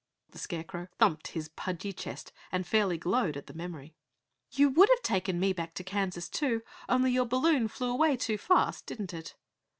The Scarecrow thumped his pudgy chest and fairly glowed, at the memory. "You would have taken me back to Kansas, too, only your balloon flew away too fast, didn't it?"